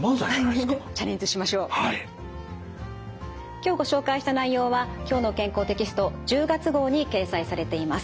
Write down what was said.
今日ご紹介した内容は「きょうの健康」テキスト１０月号に掲載されています。